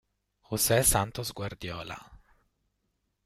José Santos Guardiola